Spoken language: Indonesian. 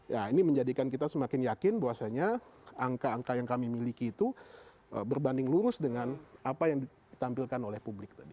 ya ini menjadikan kita semakin yakin bahwasanya angka angka yang kami miliki itu berbanding lurus dengan apa yang ditampilkan oleh publik tadi